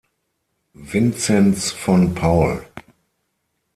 Vinzenz von Paul.